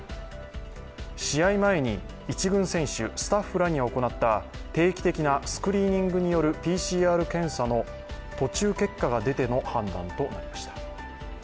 試合前に１軍選手、スタッフらに行った定期的なスクリーニングによるＰＣＲ検査の途中結果が出ての判断となりました。